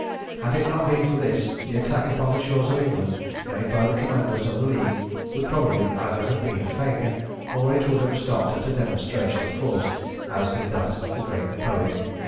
Had it not been for this the attack upon the shores of England made by the commanders of the League would probably either have been a failure, or it would have stopped at a demonstration of force, as did that of the great Napoleon in 1803.